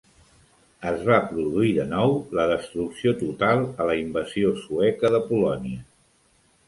Es va produir de nou la destrucció total a la invasió sueca de Polònia.